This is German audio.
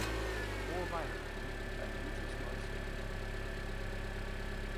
Frohe Weihnachten und ein gutes Neues Jahr!